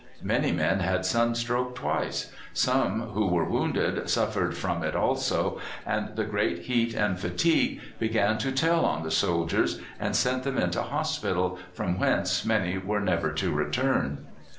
Many men had sunstroke twice; some who were wounded suffered from it also, and the great heat and fatigue began to tell on the soldiers, and sent them into hospital, from whence many were never to return.